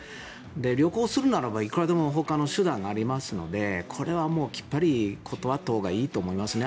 旅行するならばいくらでもほかの手段がありますのでこれはきっぱり断ったほうがいいと思いますね。